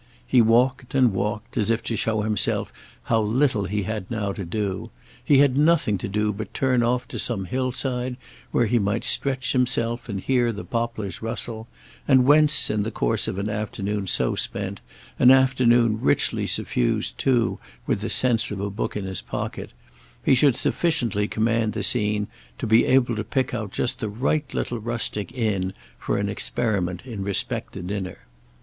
He walked and walked as if to show himself how little he had now to do; he had nothing to do but turn off to some hillside where he might stretch himself and hear the poplars rustle, and whence—in the course of an afternoon so spent, an afternoon richly suffused too with the sense of a book in his pocket—he should sufficiently command the scene to be able to pick out just the right little rustic inn for an experiment in respect to dinner.